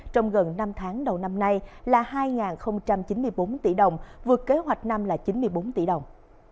trong gần năm tháng đầu năm nay là hai chín mươi bốn tỷ đồng vượt kế hoạch năm là chín mươi bốn tỷ đồng